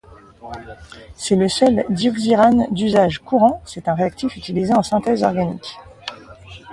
C'est le seul dioxirane d'usage courant, c'est un réactif utilisé en synthèse organique.